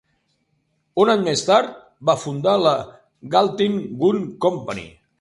Un any més tard, va fundar la Gatling Gun Company.